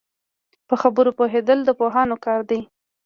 په خبرو پوهېدل د پوهانو کار دی